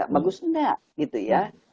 bagus enggak gitu ya